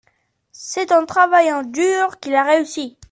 C’est en travaillant dur qu’il a réussi.